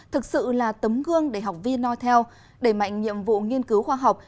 thực sự là tấm gương để học viên nói theo đẩy mạnh nhiệm vụ nghiên cứu khoa học